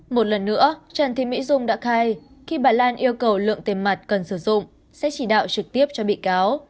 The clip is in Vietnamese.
một lần nữa trần thị mỹ dung đã khai khi bà lan yêu cầu lượng tiền mặt cần sử dụng sẽ chỉ đạo trực tiếp cho bị cáo